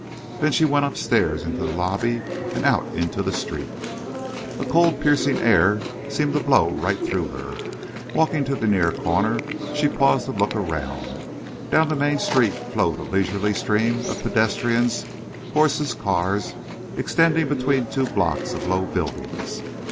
Then she went upstairs into the lobby and out into the street. A cold, piercing air seemed to blow right through her. Walking to the near corner, she paused to look around. Down the main street flowed a leisurely stream of pedestrians, horses, cars, extending between two blocks of low buildings.